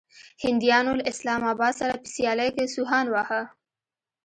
هنديانو له اسلام اباد سره په سيالۍ کې سوهان واهه.